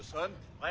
はい。